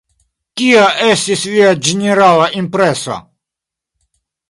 Kia estis via ĝenerala impreso?